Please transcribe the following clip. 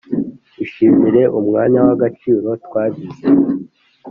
ishimire umwanya w'agaciro twagize,